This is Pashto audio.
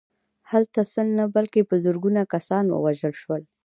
هلته سل نه بلکې په زرګونه کسان ووژل شول